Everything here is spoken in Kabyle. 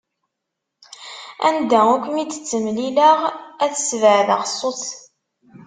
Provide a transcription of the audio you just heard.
Anda ur kem-id-ttemlileɣ, ad sbeɛdeɣ ṣṣut.